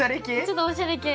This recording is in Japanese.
ちょっとおしゃれ系。